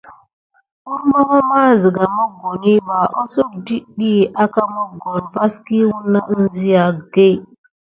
Kurmama siga mokoni ba asoh dite diki aka mokoni vas ki bana ansiga.